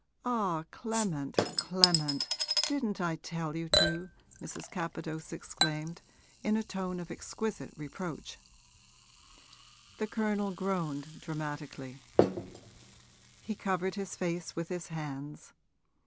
'Ah, Clement, Clement, didn't I tell you to?' Mrs. Capadose exclaimed in a tone of exquisite reproach. The Colonel groaned, dramatically; he covered his face with his hands.